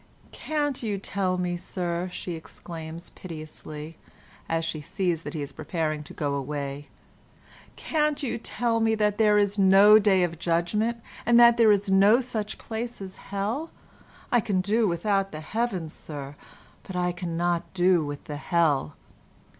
"Can't you tell me, Sir," she exclaims piteously, as she sees that he is preparing to go away, "can't you tell me that there is no Day of Judgement, and that there is no such place as Hell? I can do without the Heaven, Sir, but I cannot do with the Hell."